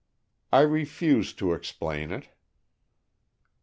"I refuse to explain it."